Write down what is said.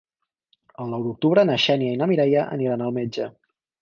El nou d'octubre na Xènia i na Mireia aniran al metge.